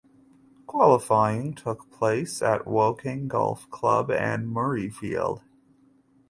Qualifying took place at Woking Golf Club and Muirfield.